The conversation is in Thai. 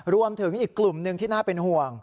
รวมถึงอีกกลุ่มหนึ่งที่น่าเป็นห่วง